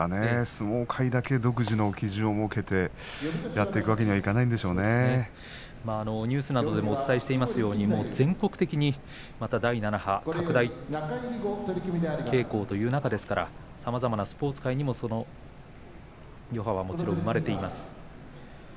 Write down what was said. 相撲界だけ独自の基準を設けてやっていくわけにはニュースなどでもお伝えしていますように全国的に第７波拡大傾向という中ですからさまざまなスポーツ界にもその余波は、もちろん生まれています。